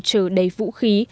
chờ đầy vũ khí